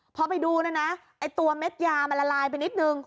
พอไปดูนะนะไอ้ตัวเม็ดยามันละลายไปนิดนึง